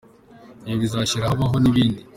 ibihe bizashira habaho ibindi.